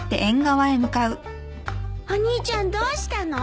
お兄ちゃんどうしたの？